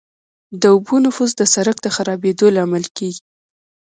د اوبو نفوذ د سرک د خرابېدو لامل کیږي